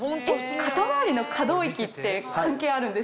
肩周りの可動域って関係あるんですか？